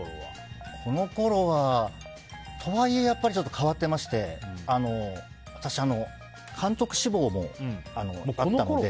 このころはとはいえやっぱり変わってまして私、監督志望もあったので。